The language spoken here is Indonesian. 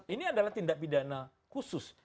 ini adalah tindak pidana khusus